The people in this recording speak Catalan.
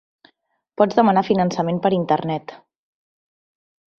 Pots demanar finançament per Internet.